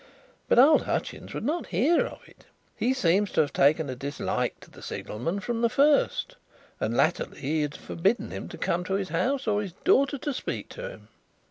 But old Hutchins would not hear of it; he seems to have taken a dislike to the signalman from the first, and latterly he had forbidden him to come to his house or his daughter to speak to him."